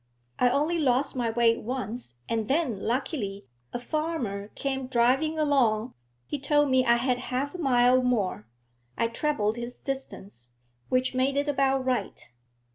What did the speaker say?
I only lost my way once, and then, luckily, a farmer came driving along: he told me I had half a mile more. I trebled his distance, which made it about right.'